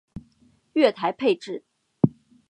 月台配置